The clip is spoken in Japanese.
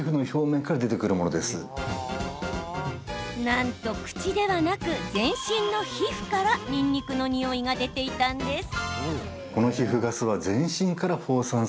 なんと口ではなく全身の皮膚からニンニクのにおいが出ていたんです。